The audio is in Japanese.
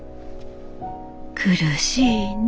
苦しいね。